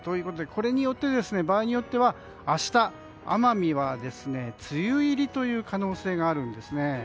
これによって場合によっては明日、奄美は梅雨入りという可能性があるんですね。